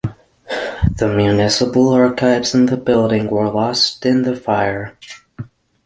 The municipal archives in the building were lost in the fire.